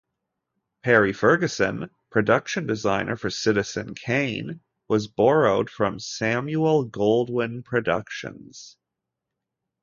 Perry Ferguson, production designer for "Citizen Kane", was borrowed from Samuel Goldwyn Productions.